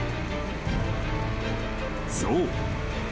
［そう。